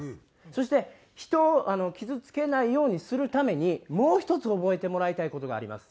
そして人を傷つけないようにするためにもう１つ覚えてもらいたい事があります。